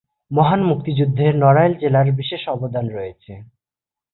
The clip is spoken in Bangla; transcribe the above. মহান মুক্তিযুদ্ধে নড়াইল জেলার বিশেষ অবদান রয়েছে।